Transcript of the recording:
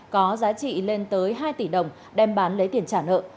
có giá trị lên tới hai tỷ đồng đem bán lấy tiền trả nợ